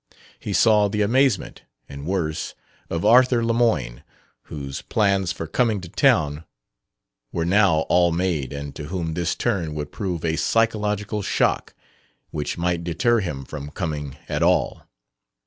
He saw the amazement, and worse, of Arthur Lemoyne, whose plans for coming to town were now all made and to whom this turn would prove a psychological shock which might deter him from coming at all.